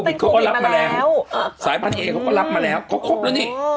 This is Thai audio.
เขาก็รับมาแล้วสายพันเอเขาก็รับมาแล้วเขาครบแล้วนี่